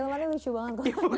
ilmuannya lucu banget kok